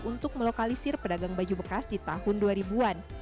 untuk melokalisir pedagang baju bekas di tahun dua ribu an